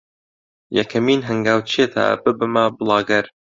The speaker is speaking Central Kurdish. یەکەمین هەنگاو چییە تا ببمە بڵاگەر؟